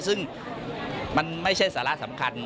ซึ่งมันไม่ใช่สาระสำคัญ